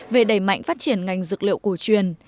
về đẩy mạnh phát triển ngành dược liệu cổ truyền